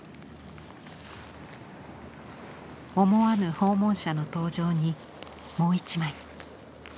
思わぬ訪問者の登場にもう一枚。